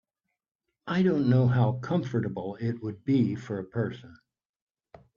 I don’t know how comfortable it would be for a person.